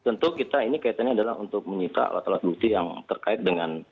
tentu kita ini kaitannya adalah untuk menyita alat alat bukti yang terkait dengan